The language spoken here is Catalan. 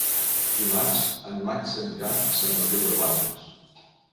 Dimarts en Max anirà a Sant Mateu de Bages.